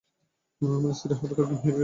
আমার স্ত্রী হঠাত অজ্ঞান হয়ে গেছে।